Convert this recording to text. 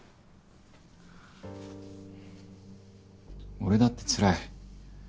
俺だってつらい。